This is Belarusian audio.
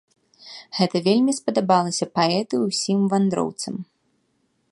Гэта вельмі спадабалася паэту і ўсім вандроўцам.